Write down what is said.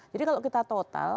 jadi kalau kita total